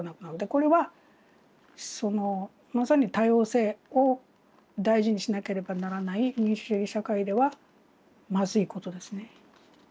これはまさに多様性を大事にしなければならない民主主義社会ではまずいことですね。